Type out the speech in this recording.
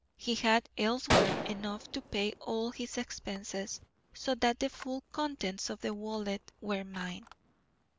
He had elsewhere enough to pay all his expenses, so that the full contents of the wallet were mine.